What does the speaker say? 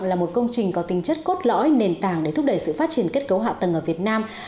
là một công trình có tính chất cốt lõi nền tảng để thúc đẩy sự phát triển kết cấu hạ tầng ở việt nam